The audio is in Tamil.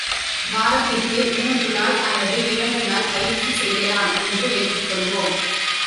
வாரத்திற்கு மூன்று நாள் அல்லது, இரண்டு நாள் பயிற்சி செய்யலாம் என்று வைத்துக் கொள்வோம்.